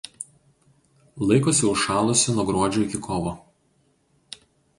Laikosi užšalusi nuo gruodžio iki kovo.